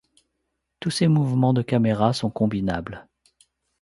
Tous ces mouvements de caméra sont combinables.